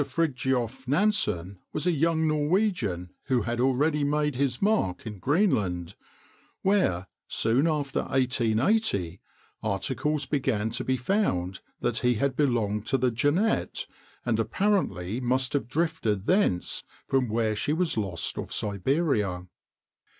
Fridtjoff Nansen was a young Norwegian who had already made his mark in Greenland, where, soon after 1880, articles began to be found that had belonged to the Jeannette, and apparently must have drifted thence from where she was lost off Siberia.